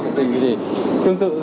anh có thể giới thiệu công đoạn